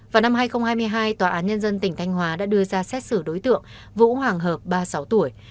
vào năm hai nghìn hai mươi hai tòa án nhân dân tỉnh thanh hóa đã đưa ra xét xử đối tượng vũ hoàng hợp ba mươi sáu tuổi